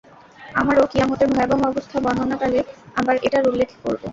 আমরাও কিয়ামতের ভয়াবহ অবস্থা বর্ণনাকালে আবার এটার উল্লেখ করব।